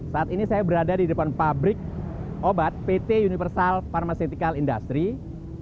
saat ini saya berada di depan pabrik obat pt universal pharmaceutical industry